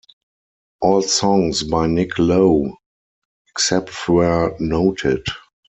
All songs by Nick Lowe, except where noted.